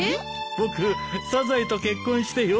僕サザエと結婚してよかったよ。